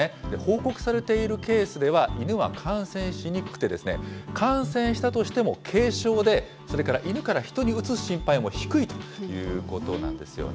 報告されているケースでは、犬は感染しにくくて、感染したとしても、軽症で、それから犬から人にうつす心配も低いということなんですよね。